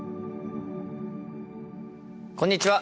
こんにちは！